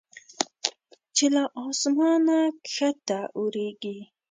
چې له اسمانه کښته اوریږي